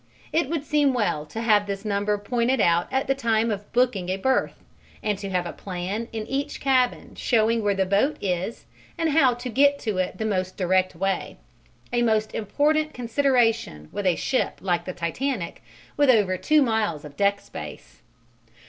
It would seem well to have this number pointed out at the time of booking a berth, and to have a plan in each cabin showing where the boat is and how to get to it the most direct way a most important consideration with a ship like the Titanic with over two miles of deck space.